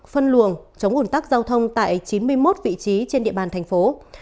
phân luồng chống ủn tắc giao thông tại chín mươi một vị trí trên địa bàn thành phố